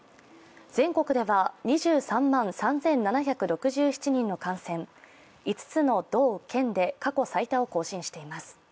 全国では２３万３７６７人の感染、５つの道県で過去最多を更新しています。